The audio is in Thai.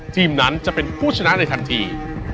ทีมนั้นจะเป็นผู้ชนะในทันที